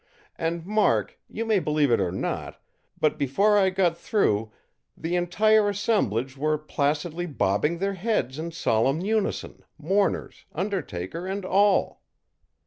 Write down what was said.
And, Mark, you may believe it or not, but before I got through the entire assemblage were placidly bobbing their heads in solemn unison, mourners, undertaker, and all.